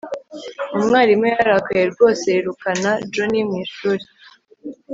umwarimu yararakaye rwose yirukana johnny mu ishuri